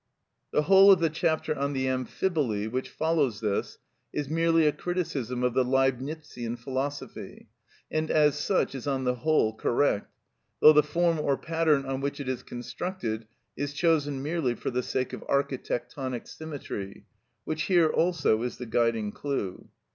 The whole of the chapter on the Amphiboly, which follows this, is merely a criticism of the Leibnitzian philosophy, and as such is on the whole correct, though the form or pattern on which it is constructed is chosen merely for the sake of architectonic symmetry, which here also is the guiding clue.